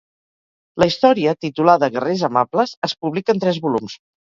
La història, titulada "Guerrers amables", es publica en tres volums.